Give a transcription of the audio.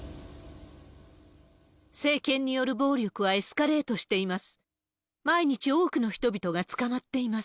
政権による暴力はエスカレートしています。